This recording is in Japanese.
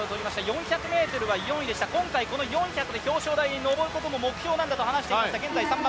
４００ｍは４位でした、今回、４００で表彰状に上ることが目標だと話していました。